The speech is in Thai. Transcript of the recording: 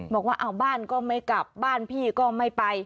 บอกว่าเอาบ้านก็ไม่กลับบ้านพี่ก็ไม่ไป